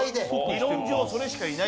理論上それしかいない。